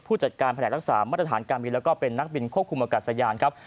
จัดการแผนกรักษามาตรฐานการบินแล้วก็เป็นนักบินควบคุมอากาศยานครับ